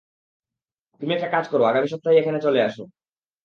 তুমি একটা কাজ করো, আগামী সপ্তাহেই এখানে চলে এসো।